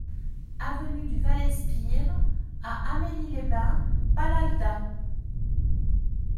Avenue du Vallespir à Amélie-les-Bains-Palalda